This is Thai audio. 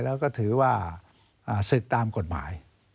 แล้วก็ถือว่าศึกตามกฎหมาย